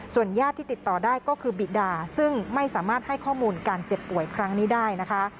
ญาติที่ติดต่อได้ก็คือบิดาซึ่งไม่สามารถให้ข้อมูลการเจ็บป่วยครั้งนี้ได้นะคะ